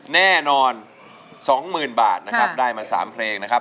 แน่นอน๒๐๐๐บาทนะครับได้มา๓เพลงนะครับ